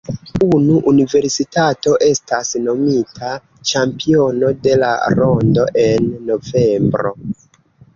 Unu universitato estas nomita ĉampiono de la rondo en novembro.